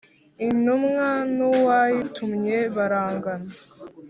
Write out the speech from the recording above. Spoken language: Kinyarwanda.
“intumwa n’ uwayitumye barangana”,